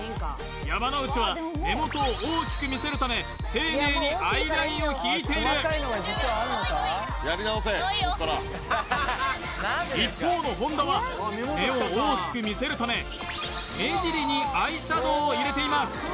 山之内は目元を大きく見せるため丁寧にアイラインを引いている一方の本田は目を大きく見せるため目尻にアイシャドウを入れています